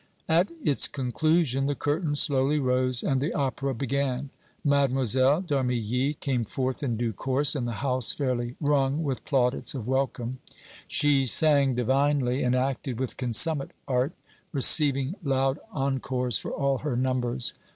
At its conclusion the curtain slowly rose and the opera began. Mlle. d' Armilly came forth in due course, and the house fairly rung with plaudits of welcome. She sang divinely and acted with consummate art, receiving loud encores for all her numbers.